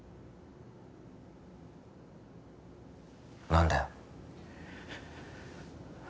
何だよ